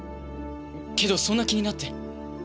けどそんな気になって。